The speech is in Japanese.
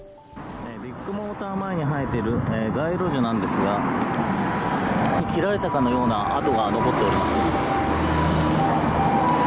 ビッグモーター前に生えている街路樹なんですが切られたかのような跡が残っています。